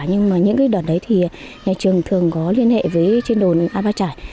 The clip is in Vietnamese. nhưng mà những đợt đấy thì nhà trường thường có liên hệ với trên đồn a ba trải